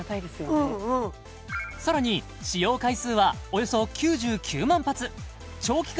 さらに使用回数はおよそ９９万発長期間